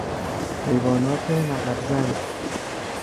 حیوانات نقب زن